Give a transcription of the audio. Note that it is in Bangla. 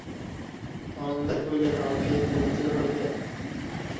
অন্নদা কহিলেন, আমাকে বলিতে হইবে?